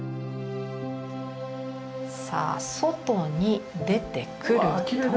さあ外に出てくると。